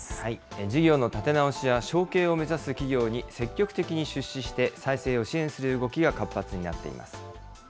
事業の立て直しや承継を目指す企業に積極的に出資して、再生を支援する動きが活発になっています。